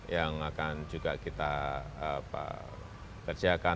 yang akan juga kita kerjakan